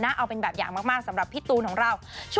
เอาเป็นแบบอย่างมากสำหรับพี่ตูนของเรา